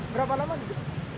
berapa lama gitu